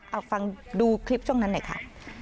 เอาฟังดูคลิปช่วงนั้นหน่อยค่ะ